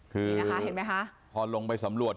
คือพอลงไปสำรวจ